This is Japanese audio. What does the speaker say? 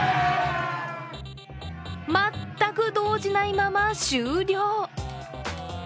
全く同じないまま終了。